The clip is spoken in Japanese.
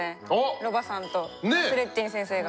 ロバさんとナスレッディン先生が。